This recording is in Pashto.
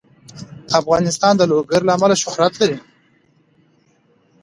افغانستان د لوگر له امله شهرت لري.